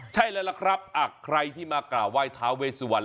ใช่แล้วล่ะครับใครที่มากราบไหว้ท้าเวสวัน